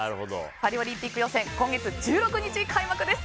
パリオリンピック予選は今月１６日開幕です。